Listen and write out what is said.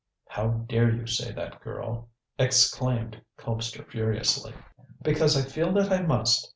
"How dare you say that, girl!" exclaimed Colpster furiously. "Because I feel that I must.